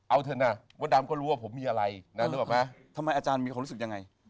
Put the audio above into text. เอาเถอะนะมดดำก็รู้ว่าผมมีอะไรนะนึกออกไหมทำไมอาจารย์มีความรู้สึกยังไง